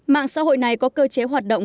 mạng xã hội này có cơ chế hoạt động